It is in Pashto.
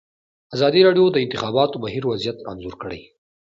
ازادي راډیو د د انتخاباتو بهیر وضعیت انځور کړی.